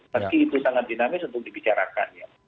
meski itu sangat dinamis untuk dibicarakannya